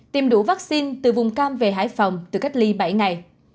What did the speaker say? tiêm đủ vaccine từ vùng cam về hải phòng tự cách ly bảy ngày